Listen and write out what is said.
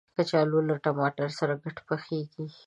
کچالو له ټماټر سره ګډ پخیږي